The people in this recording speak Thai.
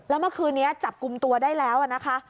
แล้วเมื่อคืนนี้จับกลุ่มตัวได้แล้วนะคะ